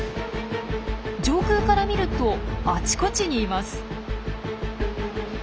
上空から見るとあちこちにいます！